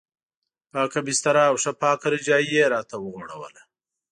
پاکه بستره او ښه پاکه رجایي یې راته وغوړوله.